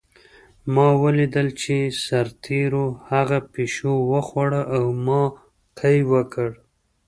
ما ولیدل چې سرتېرو هغه پیشو وخوړه او ما قی وکړ